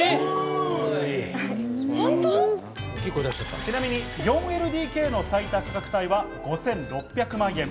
ちなみに４ＬＤＫの最多価格帯は５６００万円。